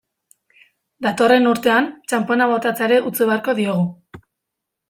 Datorren urtean, txanpona botatzeari utzi beharko diogu.